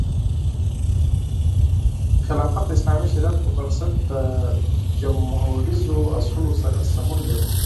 خلافت د اسلامي شریعت پر بنسټ د جموهریزو اصولو سره سمون لري.